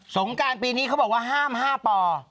งการปีนี้เขาบอกว่าห้าม๕ป่อ